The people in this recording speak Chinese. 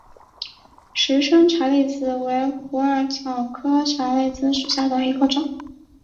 石生茶藨子为虎耳草科茶藨子属下的一个种。